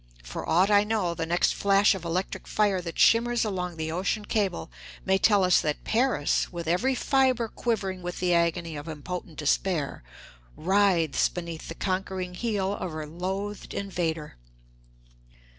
For aught I know, the next flash of electric fire that shimmers along the ocean cable may tell us that Paris, with every fibre quivering with the agony of impotent despair, writhes beneath the conquering heel of her loathed invader.